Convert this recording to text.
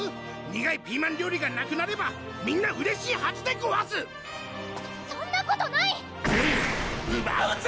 苦いピーマン料理がなくなればみんなうれしいはずでごわすそんなことないウッ！